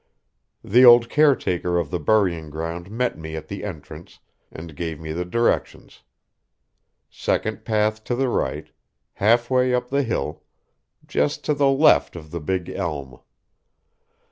The old caretaker of the burying ground met me at the entrance and gave me the directions second path to the right, half way up the hill, just to the left of the big elm.